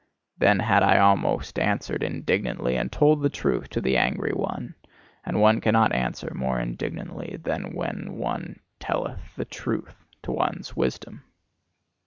Then had I almost answered indignantly and told the truth to the angry one; and one cannot answer more indignantly than when one "telleth the truth" to one's Wisdom.